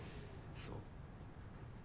そう。